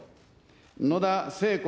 野田聖子